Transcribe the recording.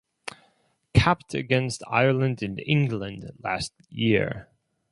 Capped against Ireland and England last year.